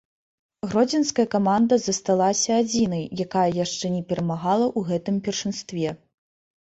Гродзенская каманда засталася адзінай, якая яшчэ не перамагала ў гэтым першынстве.